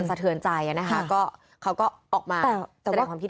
สเทือนใจอ่ะนะคะเขาก็ออกมา